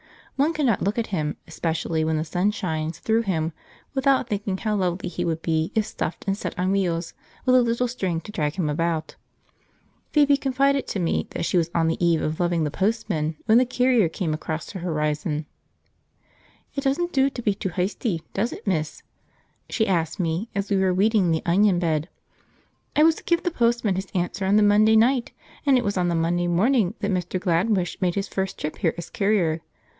One cannot look at him, especially when the sun shines through him, without thinking how lovely he would be if stuffed and set on wheels, with a little string to drag him about. {The Woodmancote carrier: p13.jpg} Phoebe confided to me that she was on the eve of loving the postman when the carrier came across her horizon. "It doesn't do to be too hysty, does it, miss?" she asked me as we were weeding the onion bed. "I was to give the postman his answer on the Monday night, and it was on the Monday morning that Mr. Gladwish made his first trip here as carrier.